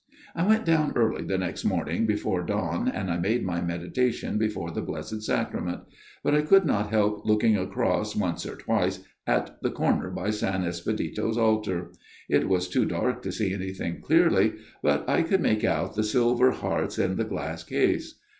" I went down early the next morning, before dawn, and I made my meditation before the Blessed Sacrament ; but I could not help looking across once or twice at the corner by S. Espedito's altar ; it was too dark to see anything clearly, but I could make out the silver hearts in the glass case.